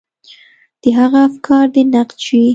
د هغه افکار دې نقد شي.